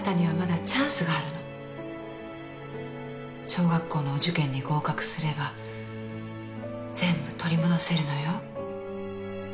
小学校のお受験に合格すれば全部取り戻せるのよ。